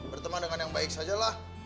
berteman dengan yang baik saja lah